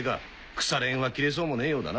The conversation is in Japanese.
くされ縁は切れそうもねえようだな。